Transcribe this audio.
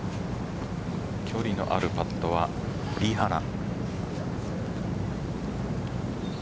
距離のあるパットはリ・ハナ。